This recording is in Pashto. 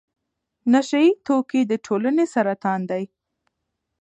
نشه يي توکي د ټولنې سرطان دی.